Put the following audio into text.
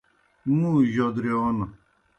مُوں جودرِیون